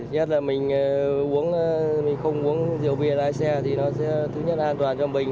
nhất là mình không uống rượu bia lái xe thì nó sẽ thứ nhất an toàn cho mình